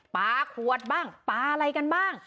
ปลาขวดบ้างปลาอะไรกันบ้าง